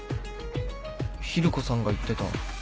昼子さんが言ってた